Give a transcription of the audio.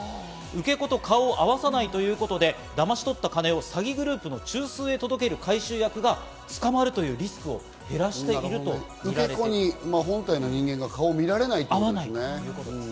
受け子と顔を合わさないということで、だまし取った金を詐欺グループの中枢へ届ける回収役が捕まるというリスクを減らしているということです。